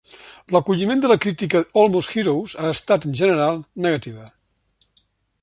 L'acolliment de la crítica de "Almost Heroes" ha estat, en general, negativa.